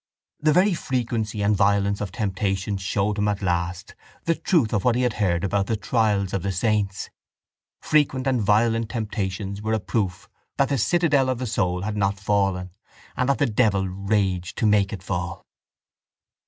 The very frequency and violence of temptations showed him at last the truth of what he had heard about the trials of the saints. Frequent and violent temptations were a proof that the citadel of the soul had not fallen and that the devil raged to make it fall.